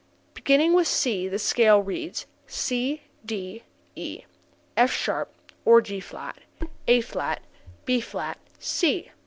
Beginning with C the scale reads: C, D, E, F[sharp] or G[flat], A[flat], B[flat], C.